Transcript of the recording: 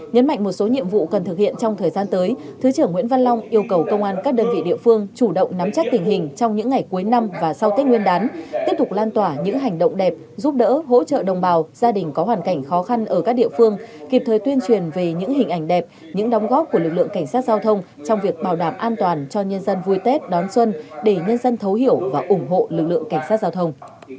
nhấn mạnh một số nhiệm vụ cần thực hiện trong thời gian tới thứ trưởng nguyễn văn long yêu cầu công an các đơn vị địa phương chủ động nắm chắc tình hình trong những ngày cuối năm và sau tết nguyên đán tiếp tục lan tỏa những hành động đẹp giúp đỡ hỗ trợ đồng bào gia đình có hoàn cảnh khó khăn ở các địa phương kịp thời tuyên truyền về những hình ảnh đẹp những đóng góp của lực lượng cảnh sát giao thông trong việc bảo đảm an toàn cho nhân dân vui tết đón xuân để nhân dân thấu hiểu và ủng hộ lực lượng cảnh sát giao thông